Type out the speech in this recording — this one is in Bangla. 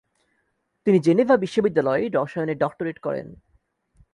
তিনি জেনেভা বিশ্ববিদ্যালয়ে রসায়নে ডক্টরেট করেন।